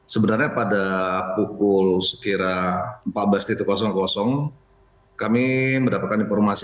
sebenarnya pada pukul sekira empat belas kami mendapatkan informasi